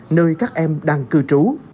nơi các em đang cư trú